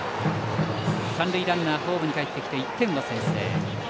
三塁ランナーホームにかえってきて１点を先制。